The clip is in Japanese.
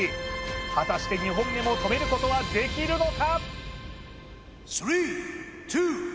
果たして２本目も止めることができるのか？